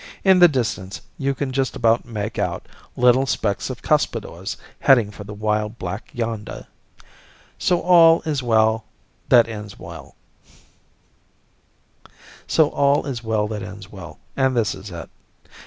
In the distance, you can just about make out little specks of cuspidors heading for the wild black yonder. So all is well that ends well, and this is it.